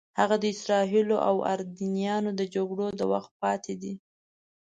هغه د اسرائیلو او اردنیانو د جګړو د وخت پاتې دي.